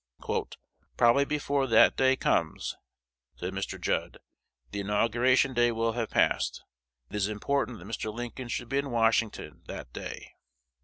"Probably before that day comes," said Mr. Judd, "the inauguration day will have passed. It is important that Mr. Lincoln should be in Washington that day."